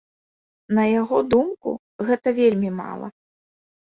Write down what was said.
На яго думку, гэта вельмі мала.